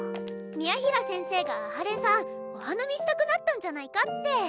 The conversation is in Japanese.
宮平先生が阿波連さんお花見したくなったんじゃないかって。